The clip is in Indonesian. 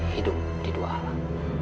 hidup di dua alam